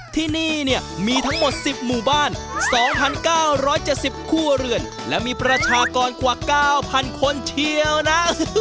ที่นี่เนี่ยมีทั้งหมด๑๐หมู่บ้าน๒๙๗๐ครัวเรือนและมีประชากรกว่า๙๐๐คนเชียวนะ